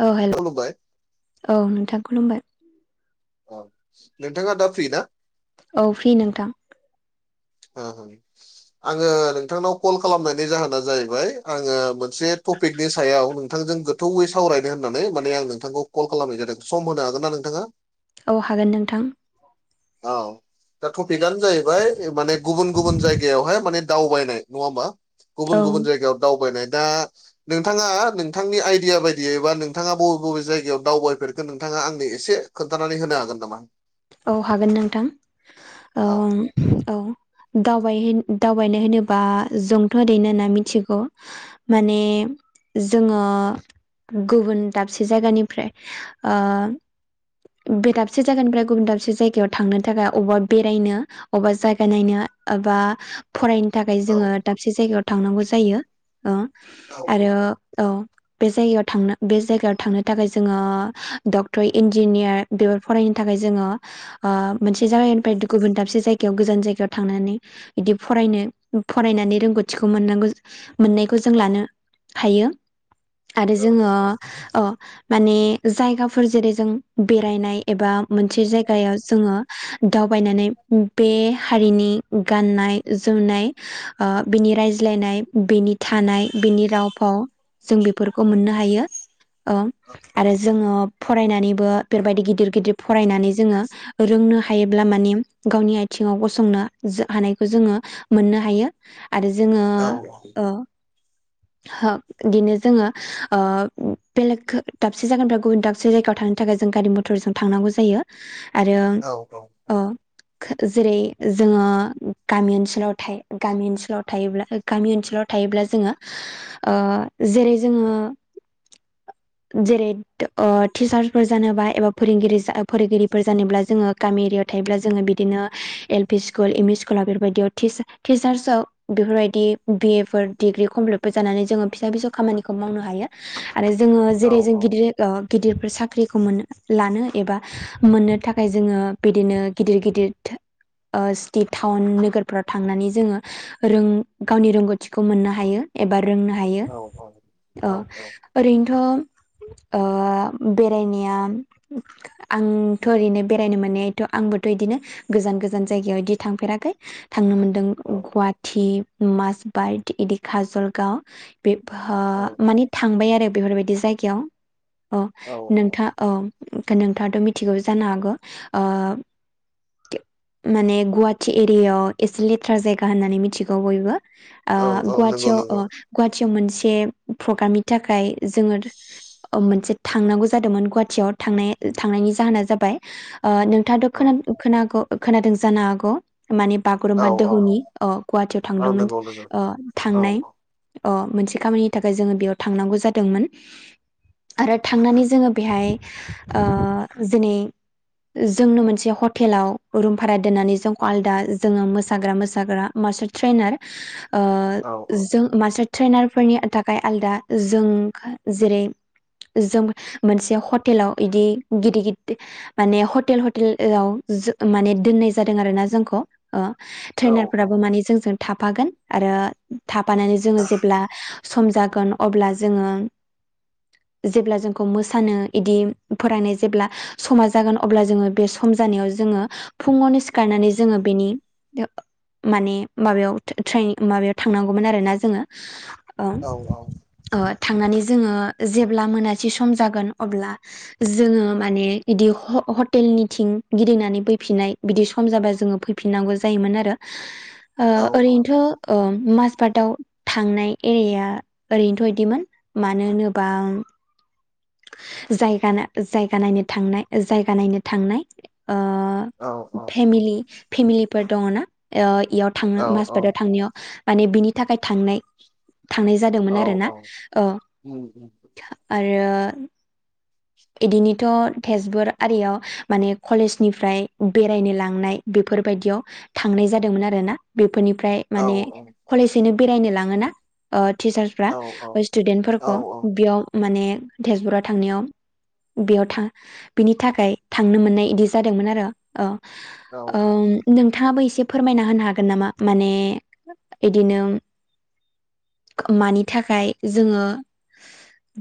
औ हे खुलुमबाय औ नोंथां खुलुमबाय औ नोंथाङा दा फ्रि ना औ फ्रि नोंथां औ आङो नोंथांनाव कल खालामनायनि जाहोना जाहैबाय आङो मोनसे टपिकनि सायाव नोंथांजों गो थौयै सावरायनो होननानै माने आं नोंथांखौ कल खालामनाय जादों सम होनो हागोन ना नोंथाङा औ हागोन नोंथां औ [inaudible] दा टपिकनो जाहैबाय माने गुबुन गुबुन जायगायावहाय माने दावबायनाय नङा ओमबा? औ गुबुन गुबुन जायगायाव दावबायनाय दा नोंथाङा नोंथांनि आइडिया बायदियै बा नोंथाङा बबे बबे जायगायाव दावबायफेरखो नोंथाङा आंनो एसे खोन्थानानै होनो हागोन नामा? औ हागोन नोंथां औ ओम औ दावबाय होन दावबायनाय होनोबा जोंथ' ओरैनो होनना मिथिगौ। माने जोङो गुबुन दाबसे जायगानिफ्राय ओ बे दाबसे जायगानिफ्राय गुबुन दाबसे जायगायाव थांनो थाखाय अबेबा बेरायनो अबेबा जायगा नायनो बा फरायनो थाखाय औ जोङो दाबसे जायगायाव थांनांगौ जायो ओ औ आरो औ बे जायगायाव थांनो बे जायगायाव थांनो थाखाय जोङो डक्टर इन्जिनियार बेफोर फरायनो थाखाय जोङो ओ मोनसे जायगानिफ्राय गुबुन दाबसे जाय याव गोजान जायगायाव थांनानै बिदि फरायनो फरायनानै रोंगौथिखौ मोननांगौ। मोननायखौ जों लानो हायो। आरो औ जोङो ओ माने जायगाफोर जेरै जों बेरायनाय एबा मोनसे जायगायाव जोङो दावबायनानै बे हारिनि गाननाय जोमनाय ओ बिनि रायज्लायनाय बिनि थानाय बिनि राव फाव जों बेफोरखौ मोननो हायो। ओ आरो जोङो फरायनानैबो बेबायदि गिदिर गिदिर फरायनानै जोङो रोंनो हा योब्ला माने गावनि आथिङाव गसंनो हानायखौ जोङो मोननो हायो। आरो जोङो ओ ओहो बिदिनो जोङो ओ बेलेग दाबसे जायगानिफ्राय गुबुन दाबसे जायगायाव थांनो थाखाय जों गारि मटरजों थांनांगौ जायो आरो औ औ ओ जेरै जोङो गामि ओनसोलाव थायो गामि ओनसोलाव थायोब्ला गामि ओनसोलाव थायोब्ला जोङो ओ जेरै जोङो जेरै ओ टिचार्सफोर जानोबा एबा फोरोंगिरि फोरोंगिरिफोर जानोब्ला जोङो गामि एरियाव थायोब्ला जोङो बिदिनो L P school M E स्कुलाव बेफोरबायदियाव टिचार्सआव बेफोरबायदि बिएफोर डिग्रि कमप्लिट फोर जानानै जोङो फिसा फिसौ खामानिखौ मावनो हायो। आरो जोङो औ जेरै जों औ गिदिर गिदिरफोर साख्रिखौ मोनो। लानो एबा मोननो थाखाय जोङो बिदिनो गिदिर गिदिर ओ सिटि टाउन नोगोरफ्राव थांनानै जोङो रों गावनि रोंगौथिखौ मोननो हायो। एबा रोंनो हायो औ औ औ ओ ओरैनोथ' ओ बेरायनाया आंथ' ओरैनो बेरायनो मोनायथ' आंबोथ' इदिनो गोजान गोजान जायगायाव इदि थांफेराखै। थांनो मोनदों औ गुवाहाटि माजबाइट इदि काजलगाव बेफा औ माने थांबाय आरो बेफोरबायदि जायगायाव अ औ नोथा अ नोंथाङाथ' मिथियो जानो हागौ ओ माने गुवाहाटि एरियाव एसे लेथ्रा जायगा होननानै मिथिगौ बयबो। ओ औ औ नंगौ गुवाहाटियाव ओ नंगौ गुवाहाटियाव मोनसे प्रग्रामनि थाखाय जोङो ओ मोनसे थांनांगौ जादोंमोन गुवाहाटियाव थांनाय थांनायनि जाहोना जाबाय ओ नोंथाङाथ' खोन औ खोनाग' खोनादों जानो हागौ। माने औ बागुरुम्बा औ दोहौनि अ गुवाहाटियाव औ थांदोंमोन नंगौ नंगौ आं औ थांनाय आं मोनसे खामानिनि थाखाय जोङो बेयाव थांनांगौ जादोंमोन। आरो थांनानै जोङो बेहाय जेरै जोंनो मोनसे हटेलाव रुम भारा दोननानै जोंखौ आलदा जोङो मोसाग्रा मोसाग्रा मास्टार ट्रेनार औ जों मास्टार ट्रेनारफोरनि थाखाय आलादा जों जेरै जों मोनसे हटेलाव इदि गिदिर गिदिर माने हटेल हटेलाव माने दोननाय जादों आरो ना जोंखौ औ औ ट्रेनारफ्राबो माने जोंजों थाफागोन आरो थाफानानै जोङो जेब्ला सम जागोन अब्ला जोङो जेब्ला जोंखौ मोसानो इदि फरायनाय जेब्ला समा जागोन अब्ला जोङो बे सम जानायाव जोङो फुङावनो सिखारनानै जोङो बेनि माने माबायाव [unintelligible] ट्रेनिं माबायाव थांनांगौमोन आरो ना जोङो औ औ थांनानै जोङो जेब्ला मोनासि सम जागोन अब्ला जोङो माने बिदि हटेलनिथिं गिदिंनानै फैफिनाय बिदि सम जाबा जोङो फै फिननांगौ जायोमोन आरो औ ओरैनोथ' माजबातआव थांनाय एरिया ओरैनोथ' बिदिमोन मानो होनोबा जायग जायगा नायनो थांनाय जायगा नायनो थांनाय फेमिलि फेमिलिफोर दङना इयाव थांनो औ माजबाताव थांनायाव माने बिनि थाखाय थांनाय थांनाय औ जादोंमोन आरो ना औ उम उम आरो इदिनोथ' तेजपुर आरियाव माने कलेजनिफ्राय बेरायनो लांनाय बेफोरबायदियाव थांनाय जादोंमोन आरो ना बेफोरनिफ्राय औ माने औ कलेजोंनो [unintelligible] बेरायनो लाङोना ओ टिचारसफ्रा औ स्टुदेन्ट औ फोरखौ बेयाव माने तेजपुराव थांनायाव बेयाव थां बिनि थाखाय थांनो मोननाय बिदि जादोंमोन आरो औ अ औ नोंथाङाबो एसे फोरमायना होनो हागोन नामा माने बिदिनो मानि थाखाय जोङो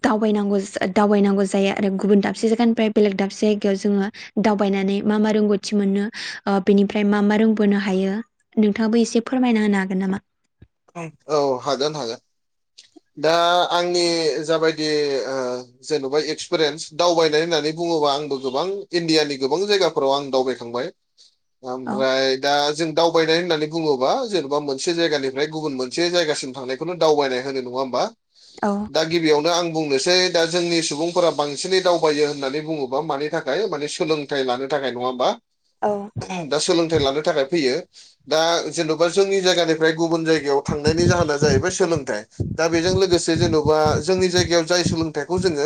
दावबायनांगौ दावबायनांगौ जायो आरो गुबुन दाबसे जायगानिफ्राय बेलेग दाबसे जायगायाव जोङो दावबायनानै मा मा रोंगौथि मोनो बेनिफ्राय मा मा रोंबोनो हायो नोंथाङाबो एसे फोरमायना होनो हागोन नामा औ हागोन हागोन दा आंनि जाबायदि जेन'बा एक्सपिरियेन्स दावबायनाय होननानै बुङोबा आंबो गोबां इण्डियानि गोबां जायगाफोराव आं दावबायखांबाय [inaudible] ओमफ्राय दा जों दावबायनाय होननानै बुङोबा जेनेबा मोनसे जायगानिफ्राय गुबुन मोनसे जायगासिम थांनायखौनो दावबायनाय नडा [unintelligible] होनबा औ दा गिबियावनो आं बुंनोसै दा जोंनि सुबुंफोरा बांसिनै दावबायो होननानै बुङोबा मानि थाखाय माने सोलों सोलोंथाइ लानो थाखाय नङा होनबा औ दा सोलोंथाइ लानो थाखाय फैयो दा जेन'बा जोंनि जायगानि ओमफ्राय गुबुन जायगायाव थांनायनि जाहोना जाहैबाय सोलोंथाइ दा बेजों लोगोसे जेन'बा जोंनि जायगायाव जाय सोलोंथाइखौ जोङो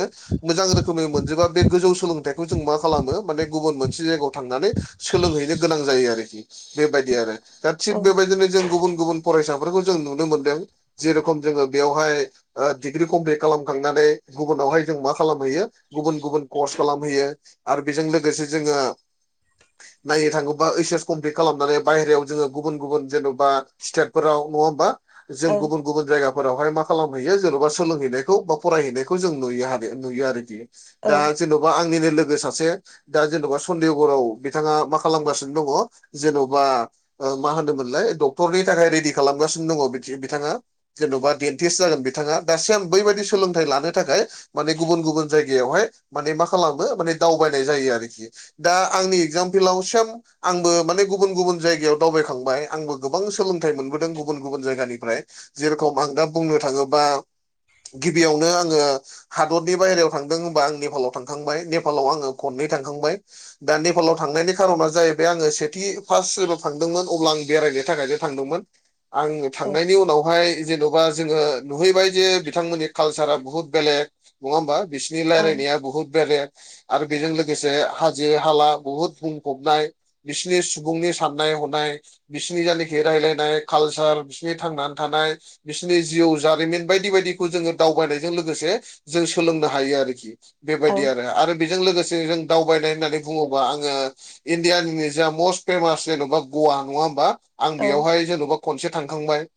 मोजां रोखोमै मोनजोबा बे गोजौ सोलोंथाइखौ जों मा खालामो माने गुबुन मोनसे जायगायाव थांनानै सोलोंहैनो गोनां जायो आरोखि बेबायदि आरो दा औ थिग बेबायदिनो जों गुबुन गुबुन फरायसाफोरखौ जों नुनो मोनदों जेरेखम जोङो बेवहाय डिग्रि कमप्लिट खालामखांनानै गुबुनावहाय जों मा खालामहैयो गुबुन गुबुन कर्स खालामहैयो आरो बेजों लोगोसे जोङो [inaudible] नायनो थाङोबा ओइस एस कमप्लिट खालामनानै बायेरायाव जोङो गुबुन गुबुन जेन'बा स्टेटफोराव नङा होमबा औ जों गुबुन गुबुन जायगा फोरावहाय मा खालामहैयो जेन'बा सोलोंहैनायखौ बा फरायहैनायखौ जों नुयो नुयो आरोखि औ दा जेन'बा आंनिनो लोगो सा से दा जेन'बा सन्देगाव बिथाङा मा खालामगासिनो दङ जेन'बा मा होनोमोनलाय डक्टरनि थाखाय रेडि खालामगासिनो दङ बिथाङा जेन'बा डेन्टिस्ट जागोन बिथाङा दासिम बैबायदि सोलोंथाइ लानो थाखाय माने गुबुन गुबुन जायगायावहाय माने मा खालामो माने दावबायनाय जायो आरोखि दा आंनि एगजामपलाव सेम आंबो माने गुबुन गुबुन जायगायाव दावबायखांबाय आंबो गोबां सोलोंथाइ मोनबोदों गुबुन गुबुन जायगानिफ्राय जेरेखम आं दा बुंनो थाङोबा गिबियावनो आङो हादरनि बाहेरायाव थांदों होनबा आं नेपालाव थांखांबाय नेपालाव आङो खननै थांखांबाय दा नेपालाव थांनायनि खारना जाहैबाय आङो सेथि फार्स्ट जेब्ला थांदोंमोन अब्ला आं बेरायनो थाखायसो थांदोंमोन आङो औ थांनायनि उनाव जेन'बा जोङो नुहैबाय जे बिथांमोननि कालसारा बुहुत बेलेग नङा होमबा बिसिनि औ रायलायनाया बुहुत बेलेग आरो बेजों लोगोसे हाजो हाला बुहुद बुंफबनाय बिसिनि सुबुंनि साननाय हनाय बिसिनि जायनाखि रायलायनाय कालसार बिसिनि थांना थानाय बिसोरनि जिउ जारिमिन बायदि बायदिखौ जोङो दावबायनायजों लोगोसे जों सोलोंनो हायो आरोखि औ बेबायदि आरो आरो बेजों लोगोसे जों दावबायनाय होननानै बुङोबा आङो इण्डियानि जा मस्ट फेमास जेन'बा गवा नङा होमबा आं औ बेयावहाय जेन'बा खनसे थांखांबाय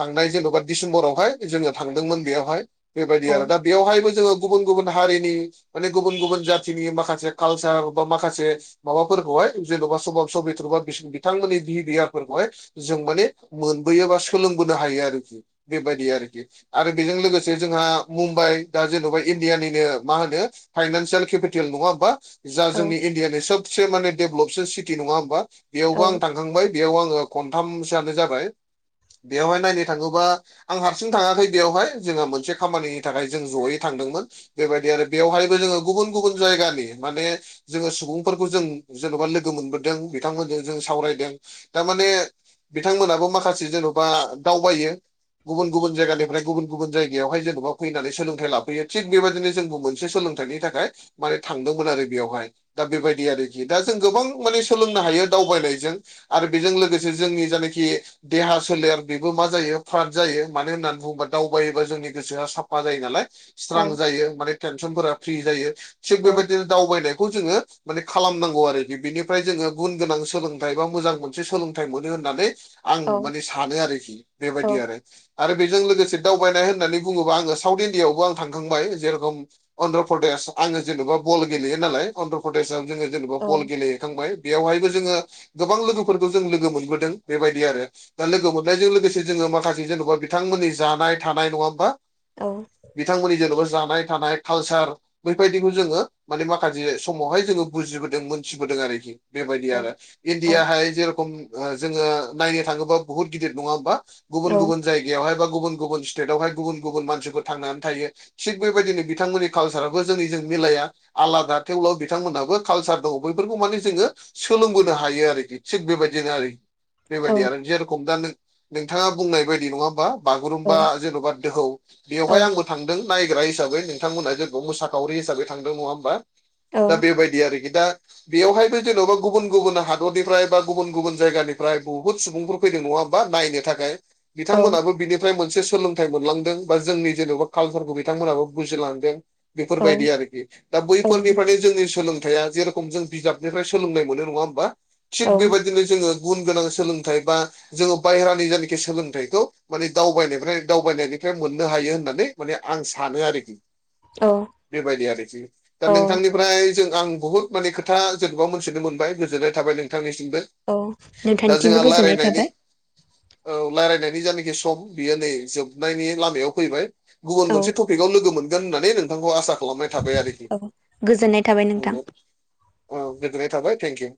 थांनाय जेन'बा डिसेम्बरावहाय जोङो थांदोंमोन बेयावहाय बेबायदि औ आरो दा बेवहायबो जोङो गुबुन गुबुन हारिनि माने गुबुन गुबुन जाथिनि माखासे कालसार बा माखासे माबाफोरखौहाय जेन'बा सभाब सबिथ्रबा बिथांमोननि बिहेभियारफोरखौहाय जों माने मोनबोयोबा सोलोंबोनो हायो आरोखि बेबायदि आरोखि आरो बेजों लोगोसे जोंहा मुम्बाइ दा जेन'बा इण्डियानिनो मा होनो फाइनान्सियेल केपिटेल नङा होमबा जा औ जोंनि इण्डियानि सबसे माने डेभलपसो सिटि नङा होमबा औ औ बेयावबो आं थांखांबाय बेयाव आङो खनथामसोआनो जाबाय बेवहाय नायनो थाङोबा आं हारसिं थाङाखै बेयावहाय जोङो मोनसे खामानिनि थाखाय जों ज'यै थांदोंमोन बेबायदि आरो बेवहायबो जोङो गुबुन गुबुन जायगानि माने जोङो सुबुंफोरखौ जों जेन'बा लोगो मोनबोदों बिथांमोनजों जों सावरायदों थारमाने बिथांमोनाबो माखासे जेन'बा दावबायो गुबुन गुबुन जायगानिफ्राय गुबुन गुबुन जायगायावहाय जेन'बा फैनानै सोलोंथाइ लाफैयो थिग बेबायदिनो जोंबो मोनसे सोलों थाइनि थाखाय माने थांदोंमोन आरो बेयावहाय दा बेबायदि आरोखि दा जों गोबां माने सोलोंनो हायो दावबायनायजों आरो बेजों लोगोसे जोंनि जायनाखि देहा सोलेर बेबो मा जायो फ्राद जायो मानो होननानै बुङोबा दावबायोबा जोंनि गोसोआ साफा जायो नालाय स्रां जायो माने टेनसनफोरा फ्रि जायो थिग औ बेबायदिनो दावबायनायखौ जोङो माने खालामनांगौ आरोखि बिनिफ्राय जोङो गुन गोनां सोलोंथाइ बा मोजां मोनसे सोलोंथाइ मोनो होननानै आं औ माने सानो आरोखि बेबायदि आरो आरो बेजों लोगोसे दावबायनाय होननानै बुङोबा आङो साउथ इण्डियाआवबो आं थांखांबाय जेरखम अन्ध्र प्रदेश आङो जेन'बा बल गेलेयो नालाय अन्ध्र प्रदेशआव जोङो जेनेबा बल गेलेहैखांबाय बेवहायबो जोङो गोबां लोगोफोरखौ जों लोगो मोनबोदों बेबायदि आरो दा लोगो मोननायजों लोगोसे जोङो माखासे जेन'बा बिथांमोननि जानाय थानाय नङा होमबा औ बिथांमोननि जेन'बा जानाय थानाय कालसार बेबायदिखौ जोङो माने माखासे समावहाय जोङो बुजिबोदों मोनथिबोदों आरोखि बेबायदि आरो इण्डियाहाय जेरखम जोङो नायनो थाङोबा बुहुत गिदिर नङा होमबा गुबुन गुबुन जायगायावहाय बा गुबुन गुबुन स्टेटआवहाय गुबुन गुबुन मानसिफोर थांनानै थायो। थिग बेबायदिनो बिथांमोननि कालसाराबो जोंनिजों मिलाया आलादा थेवब्लाबो बिथांमोनहाबो कालसारखौ बैफोरखौ माने जोङो सोलोंबोनो हायो आरोखि थिग बेबायदिनो आरोखि बेबायदि आरो नंगौ जेरखम दा नोंथाङा बुंनाय बायदि नङा होमबा बागुरुम्बा जेन'बा दोहौ बेवहाय आंबो थांदों नायग्रा हिसाबै नोंथांमोना जोंखौ मोसाखावरि हिसाबै थांदों नङा होमबा दा बेबायदि आरोखि दा बेयावहायबो जेन'बा गुबुन गुबुन हादरनिफ्राय बा गुबुन गुबुन जायगानिफ्राय बहुद सुबुं फैदों नङा होनबा नायनो थाखाय बिथांमोनाबो बिनि फ्राय मोनसे सोलोंथाइ मोनलांदों बा जोंनि जेन'बा कालसारखौ बिथांमोनाबो बुजिलांदों। बेफोरबायदि आरोखि दा बैफोरनिफ्रायनो जोंनि सोलोंथाइया जेरेखम जों बिजाबनिफ्राय सोलोंनाय मोननाय नङा होमबा थिग औ बेबायदिनो जोङो गुन गोनां सोलोंथाइ बा जोङो बायहेरानि जानाखि सोलोंथाइखौ माने दावबायफ्राय दावबायनायनिफ्राय मोननो हायो होननानै माने आं सानो आरोखि औ बेबायदि आरो दा औ नोंथांनि ओमफ्राय जों आं बहुत माने खोथा जेन'बा मोनथिनो मोनबाय गोजोननाय थाबाय नोंथांनिसिमबो औ दा जोंहा नोंथांनिसिमबो गोजोननाय रायलायनायनि थाबाय। औ रायजलायनायनि जानाखि सम बियो नै जोबनायनि लामायाव फैबाय। गुबुन औ मोनसे टपिकाव लोगो मोनगोन होननानै नोंथांखौ आसा खालामनाय थाबाय आरोखि औ गोजोननाय थाबाय औ नोंथां। गोजोननाय थाबाय थेंकिउ।